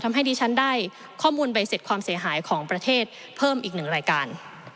ทำให้ดิฉันได้ข้อมูลใบเสร็จความเสียหายของประเทศเพิ่มอีกหนึ่งรายการ